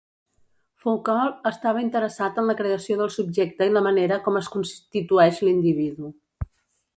Foucault estava interessat en la creació del subjecte i la manera com es constitueix l'individu.